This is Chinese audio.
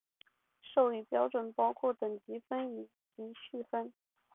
授予标准包括等级分以及序分。